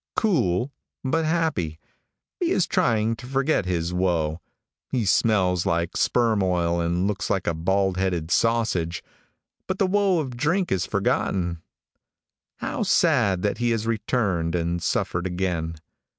Cool, but happy. He is trying to forget his woe. He smells like sperm oil and looks like a bald headed sausage, but the woe of drink is forgotten.' How sad that he has returned and suffered again.